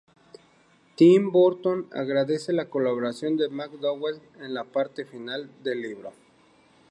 Tim Burton agradece la colaboración de McDowell en la parte final del libro.